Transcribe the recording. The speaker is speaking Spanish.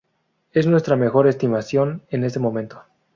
Es nuestra mejor estimación en este momento.